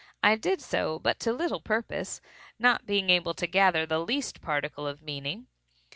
I did so, but to little purpose, not being able to gather the least particle of meaning.